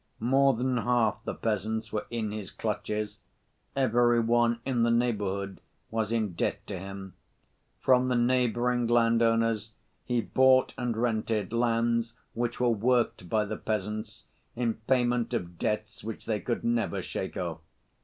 More than half the peasants were in his clutches, every one in the neighborhood was in debt to him. From the neighboring landowners he bought and rented lands which were worked by the peasants, in payment of debts which they could never shake off.